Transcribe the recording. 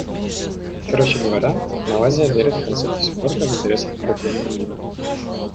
Короче говоря, Малайзия верит в концепцию спорта в интересах укрепления мира.